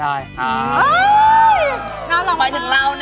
ไปถึงเราเนี่ยอร่อยกินง่าย